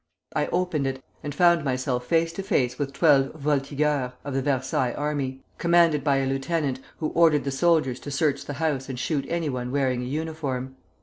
I opened it, and found myself face to face with twelve voltigeurs of the Versailles army; commanded by a lieutenant, who ordered the soldiers to search the house and shoot any one wearing a uniform.